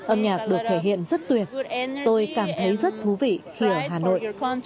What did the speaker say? âm nhạc được thể hiện rất tuyệt tôi cảm thấy rất thú vị khi ở hà nội